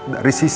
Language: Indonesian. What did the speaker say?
dari sisi aku